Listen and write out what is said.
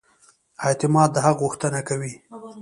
اعتماد د حق غوښتنه کوي.